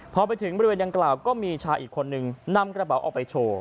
พอไปถึงบริเวณดังกล่าวก็มีชายอีกคนนึงนำกระเป๋าออกไปโชว์